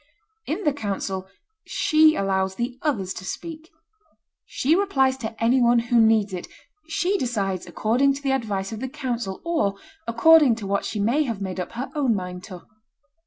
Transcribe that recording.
In the council, she allows the others to speak; she replies to any one who needs it; she decides according to the advice of the council, or according to what she may have made up her own mind to.